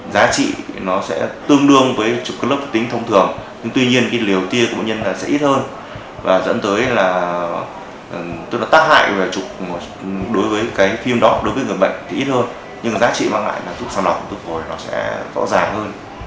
giá trị nó sẽ tương đương với chụp cắt lớp vi tính thông thường nhưng tuy nhiên cái liều tia của bệnh nhân sẽ ít hơn và dẫn tới là tắc hại về chụp đối với cái phim đó đối với người bệnh thì ít hơn nhưng giá trị mang lại là thuốc xào lọc thuốc phổi nó sẽ rõ ràng hơn